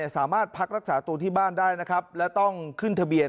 พักรักษาตัวที่บ้านได้นะครับและต้องขึ้นทะเบียน